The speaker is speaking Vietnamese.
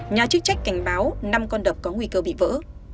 nhà chức trách cảnh báo năm con đập có nguy cơ bị vỡ